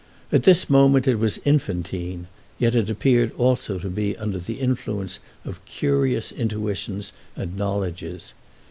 At this moment it was infantine, yet it appeared also to be under the influence of curious intuitions and knowledges.